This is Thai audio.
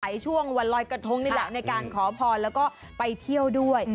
ช่วงวันลอยกระทงนี่แหละในการขอพรแล้วก็ไปเที่ยวด้วย